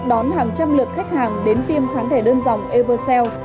đón hàng trăm lượt khách hàng đến tiêm kháng thể đơn dòng everseel